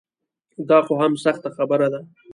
دا خو هم سخته خبره ده.